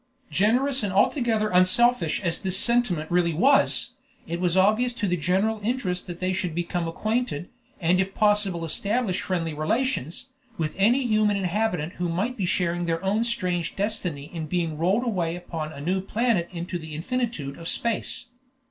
Generous and altogether unselfish as this sentiment really was, it was obviously to the general interest that they should become acquainted, and if possible establish friendly relations, with any human inhabitant who might be sharing their own strange destiny in being rolled away upon a new planet into the infinitude of space.